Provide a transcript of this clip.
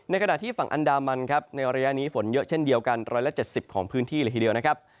ในขณะที่ฝั่งอันดามันในอรยะนี้ฝนเยอะเช่นเดียวกัน๑๗๐ของพื้นที่